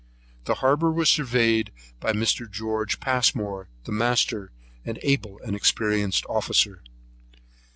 The harbour was surveyed by Mr. Geo. Passmore, the master, an able and experienced officer.